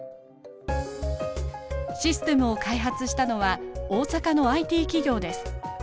システムを開発したのは大阪のＩＴ企業です。